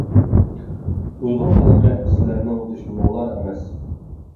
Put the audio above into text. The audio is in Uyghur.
ئۇيغۇر خەلقى سىلەرنىڭ دۈشمىنىڭلار ئەمەس.